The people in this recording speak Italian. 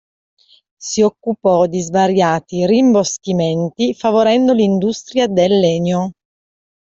Si occupò di svariati rimboschimenti, favorendo l'industria del legno.